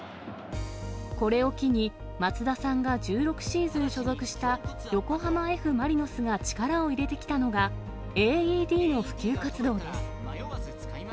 これを機に、松田さんが１６シーズン所属した横浜Ｆ・マリノスが力を入れてきたのが、ＡＥＤの普及活動です。